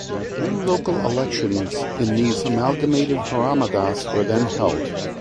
New local elections in these amalgamated hromadas were then held.